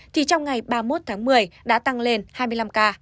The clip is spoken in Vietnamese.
thì trong ngày ba mươi một tháng một mươi đã tăng lên hai mươi năm ca